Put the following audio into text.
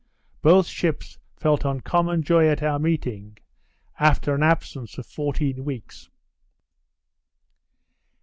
Both ships felt uncommon joy at our meeting, after an absence of fourteen weeks.